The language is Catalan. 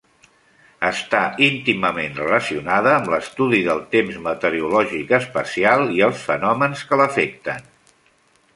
Està íntimament relacionada amb l'estudi del temps meteorològic espacial i els fenòmens que l'afecten.